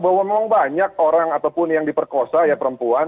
bahwa memang banyak orang ataupun yang diperkosa ya perempuan